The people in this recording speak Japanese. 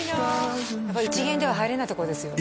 やっぱりいちげんでは入れないところですよね？